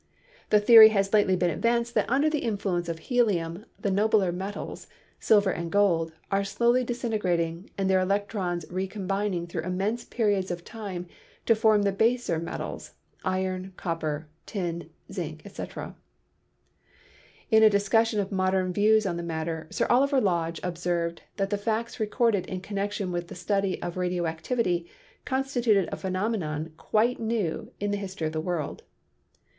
The theory has lately been advanced that under the influence of helium the nobler metals, silver and gold, are slowly disintegrating and their electrons recombining through immense periods of time to form the baser metals, iron, copper, tin, zinc, etc. In a discussion of modern views on matter, Sir Oliver Lodge observed that the facts recorded in connection with the study of radio activity constituted a phenomenon quite new in the history of the world.